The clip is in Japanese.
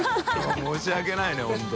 申し訳ないね本当。